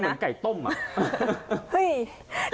มันเหมือนไก่ต้มอ่ะ